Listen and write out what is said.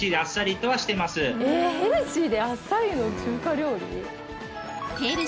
えぇヘルシーであっさりの中華料理？